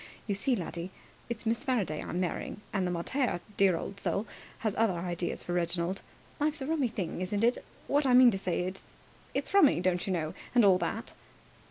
You see, laddie, it's Miss Faraday I'm marrying, and the mater dear old soul has other ideas for Reginald. Life's a rummy thing, isn't it! What I mean to say is, it's rummy, don't you know, and all that."